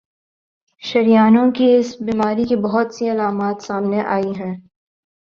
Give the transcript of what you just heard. شریانوں کی اس بیماری کی بہت سی علامات سامنے آئی ہیں